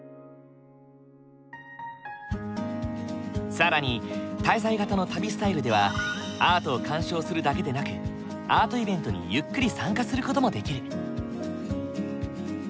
更に滞在型の旅スタイルではアートを鑑賞するだけでなくアートイベントにゆっくり参加する事もできる。